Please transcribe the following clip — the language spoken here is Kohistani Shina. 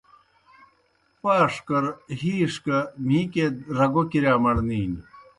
پاشکر ہِیݜ گہ مِھیکیئے رگو کِرِیا مڑنینیْ۔